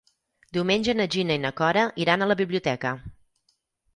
Diumenge na Gina i na Cora iran a la biblioteca.